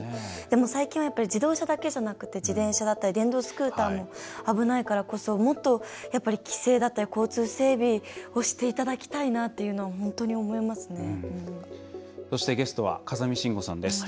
最近は自動車だけじゃなくて自転車だったり電動スクーターも危ないからこそもっと、規制だったり交通整備をしていただきたいなというのを本当に思いますね。